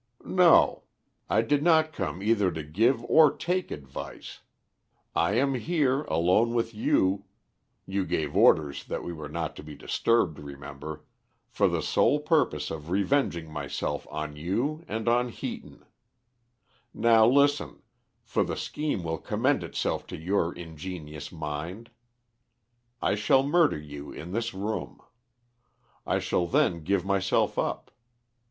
"No. I did not come either to give or take advice. I am here, alone with you you gave orders that we were not to be disturbed, remember for the sole purpose of revenging myself on you and on Heaton. Now listen, for the scheme will commend itself to your ingenious mind. I shall murder you in this room. I shall then give myself up.